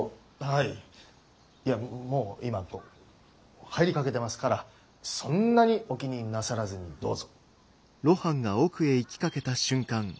いやもう今こう入りかけてますからそんなにお気になさらずにどーぞ！